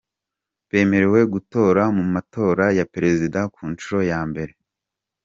bemerewe gutora mu matora ya perezida ku nshuro ya mbere.